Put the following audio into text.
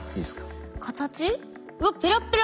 うわペラッペラ。